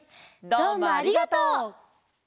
どうもありがとう！